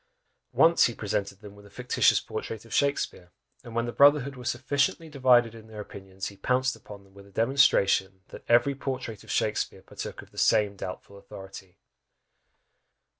Once he presented them with a fictitious portrait of Shakspeare, and when the brotherhood were sufficiently divided in their opinions, he pounced upon them with a demonstration, that every portrait of Shakspeare partook of the same doubtful authority!